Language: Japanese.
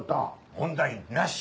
問題なし！